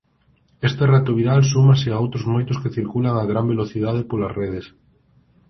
Este reto viral súmase a outros moitos que circulan a gran velocidade polas redes.